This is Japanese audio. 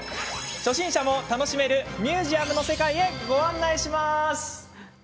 初心者も楽しめるミュージアムの世界へご案内します！